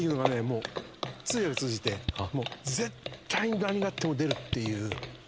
もう通訳通じて絶対に何があっても出るっていう。